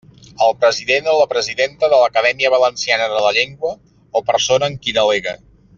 El president o la presidenta de l'Acadèmia Valenciana de la Llengua o persona en qui delegue.